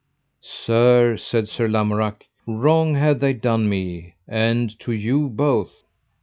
Sir, said Sir Lamorak, wrong have they done me, and to you both.